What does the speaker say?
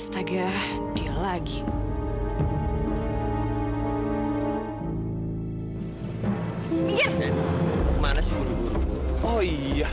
kayaknya kita berjodoh